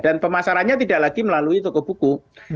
dan pemasarannya tidak lagi melalui toko buku